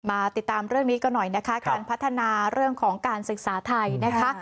มาติดตามเรื่องนี้กันหน่อยนะคะการพัฒนาเรื่องของการศึกษาไทยนะคะ